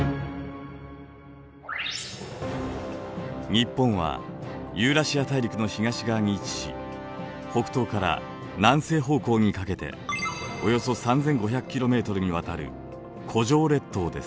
日本はユーラシア大陸の東側に位置し北東から南西方向にかけておよそ３，５００ｋｍに渡る弧状列島です。